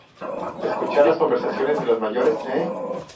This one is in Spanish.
escuchar las conversaciones de los mayores? ¿ eh?